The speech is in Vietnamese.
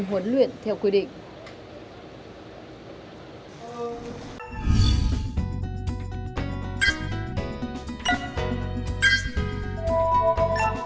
đừng huấn luyện theo quy định